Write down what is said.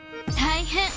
大変！